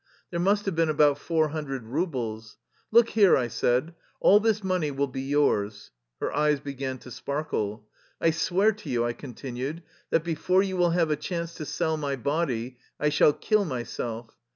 There must have been about four hundred rubles. " Look here/' I said, " all this money will be yours." Her eyes began to sparkle. " I swear to you/' I continued, " that before you will have a chance to sell my body, I shall kill myself.